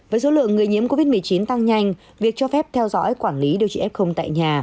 với số lượng người nhiễm covid một mươi chín tăng nhanh việc cho phép theo dõi quản lý điều trị f tại nhà